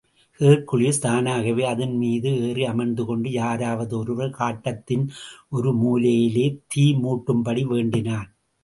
Hercules தானாகவே அதன்மீது ஏறி அமர்ந்துகொண்டு, யாராவது ஒருவர் காட்டத்தின் ஒரு மூலையிலே தீ முட்டும்படி வேண்டினான்.